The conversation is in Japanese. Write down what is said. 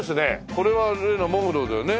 これは例の喪黒だよね。